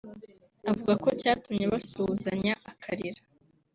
Avuga ku cyatumye basuhuzanya akarira